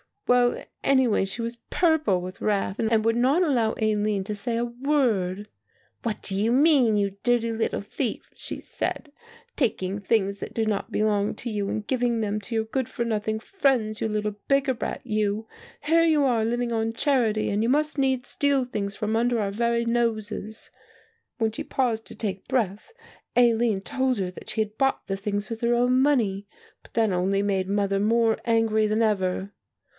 "Well, anyway, she was purple with wrath and would not allow Aline to say a word, 'What do you mean, you dirty little thief,' she said, 'taking things that do not belong to you and giving them to your good for nothing friends, you little beggar brat, you? Here you are living on charity and you must needs steal things from under our very noses.' "When she paused to take breath, Aline told her that she had bought the things with her own money. But that only made mother more angry than ever.